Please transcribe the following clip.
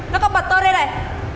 nó có bật tên đây này